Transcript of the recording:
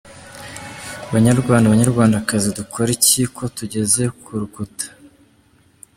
Banyarwanda banyarwandakazi, dukore iki ko tugeze ku rukuta?